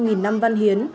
nghìn năm văn hiến